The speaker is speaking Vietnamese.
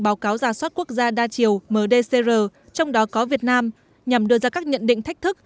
báo cáo giả soát quốc gia đa chiều mdcr trong đó có việt nam nhằm đưa ra các nhận định thách thức